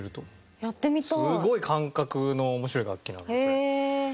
すごい感覚の面白い楽器なのこれ。